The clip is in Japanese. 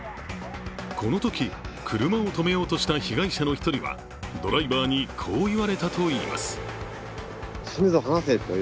このとき、車を止めようとした被害者の一人はドライバーにこう言われたといいます。